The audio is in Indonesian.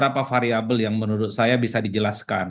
ada variabel yang menurut saya bisa dijelaskan